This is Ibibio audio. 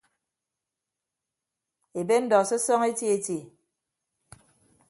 Ebe ndọ sọsọñọ eti eti.